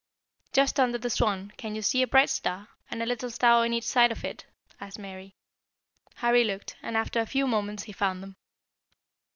"Just under the Swan can you see a bright star, and a little star on each side of it?" asked Mary. Harry looked, and after a few moments he found them.